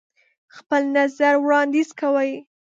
خپل نظر وړاندیز کوئ.